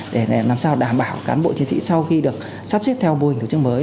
để làm sao đảm bảo cán bộ chiến sĩ sau khi được sắp xếp theo mô hình tổ chức mới